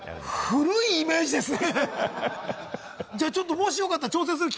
古いイメージですね。